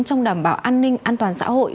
trong đảm bảo an ninh an toàn xã hội